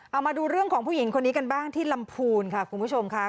เอามาดูเรื่องของผู้หญิงคนนี้กันบ้างที่ลำพูนค่ะคุณผู้ชมค่ะ